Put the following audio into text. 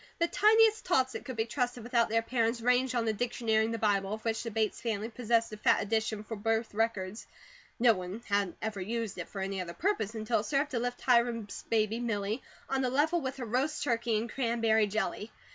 The tiniest tots that could be trusted without their parents ranged on the Dictionary and the Bible, of which the Bates family possessed a fat edition for birth records; no one had ever used it for any other purpose, until it served to lift Hiram's baby, Milly, on a level with her roast turkey and cranberry jelly.